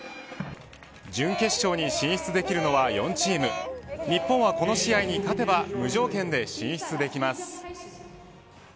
準決勝に進出できるのは４チーム日本はこの試合に勝てば無条件で進出できます。